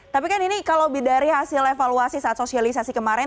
tapi kan ini kalau dari hasil evaluasi saat sosialisasi kemarin